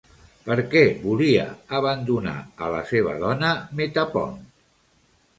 Per què volia abandonar a la seva dona Metapont?